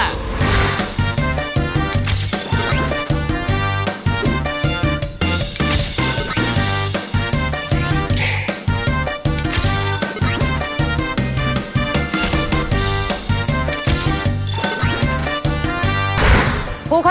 เมื่อกี้พูดค่ะ